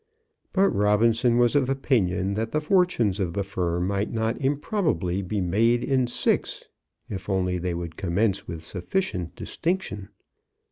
But Robinson was of opinion that the fortunes of the firm might not improbably be made in six, if only they would commence with sufficient distinction.